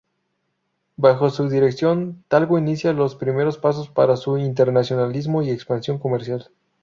Bajo su dirección, Talgo inicia los primeros pasos para su internacionalización y expansión comercial.